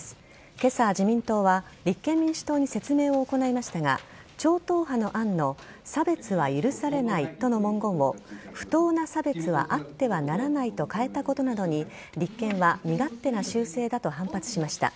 今朝、自民党は立憲民主党に説明を行いましたが超党派の案の差別は許されないとの文言を不当な差別はあってはならないと変えたことなどに立憲は身勝手な修正だと反発しました。